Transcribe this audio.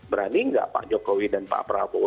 berani enggak pak jokowi dan pak prabowo